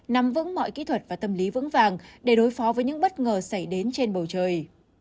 nắm vững mọi kỹ thuật và tâm lý vững vàng để đối phó với những bất ngờ xảy đến trên bầu trời